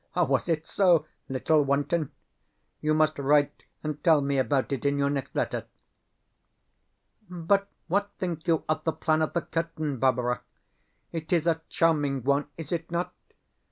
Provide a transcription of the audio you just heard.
Was it so, little wanton? You must write and tell me about it in your next letter. But what think you of the plan of the curtain, Barbara? It is a charming one, is it not?